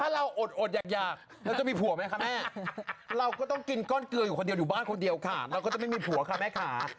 ถ้าเราอดอยากเราจะมีผัวไหมคะแม่เราก็ต้องกินก้อนเกลืออยู่คนเดียวอยู่บ้านคนเดียวค่ะเราก็จะไม่มีผัวค่ะแม่ขา